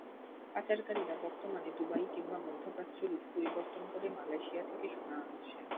পাচারকারীরা বর্তমানে দুবাই কিংবা মধ্যপ্রাচ্য রুট পরিবর্তন করে মালয়েশিয়া থেকে সোনা আনছে।